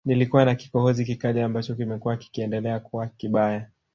Nilikuwa na kikohozi kikali ambacho kimekuwa kikiendelea kuwa kibaya